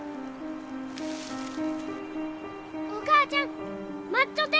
お母ちゃん待っちょって！